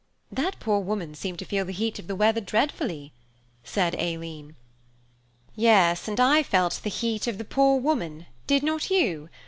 "That poor woman seemed to feel the heat of the weather dreadfully," said Aileen. "Yes, and I felt the heat of the poor woman, did not you?